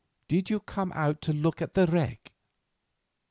Did you come out to look at the wreck?"